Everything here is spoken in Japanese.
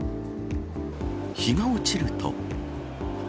日が落ちると。